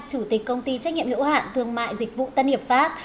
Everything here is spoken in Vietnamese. chủ tịch công ty trách nhiệm hiệu hạn thương mại dịch vụ tân hiệp pháp